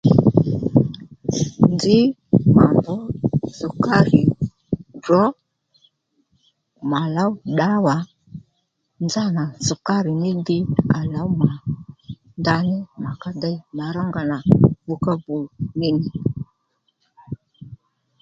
Nzǐ mà mbrǔ sùkárì ddrǒ mà lǒw ddǎwà nzánà sukari mí dhi à lǒw mà ndaní mà ká dey màrónga nà vukavu ní nì